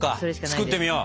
作ってみよう。